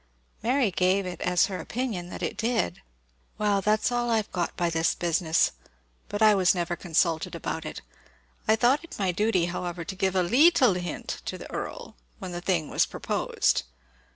Mary gave it as her opinion that it did. "Well, that's all I've got by this business; but I never was consulted about it. I thought it my duty, however, to give a leettle hint to the Earl, when the thing was proposed.